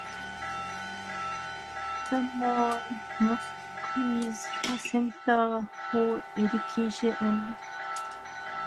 Furthermore, Moscow is a center for education and innovation.